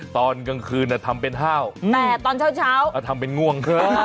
ตอนกลางคืนทำเป็นห้าวแต่ตอนเช้าทำเป็นง่วงเถอะ